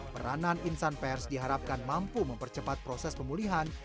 peranan insan pers diharapkan mampu mempercepat proses pemulihan